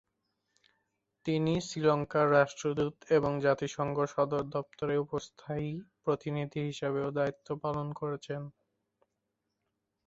তিনি শ্রীলঙ্কার রাষ্ট্রদূত এবং জাতিসংঘ সদর দপ্তরে উপ-স্থায়ী প্রতিনিধি হিসাবেও দায়িত্ব পালন করেছেন।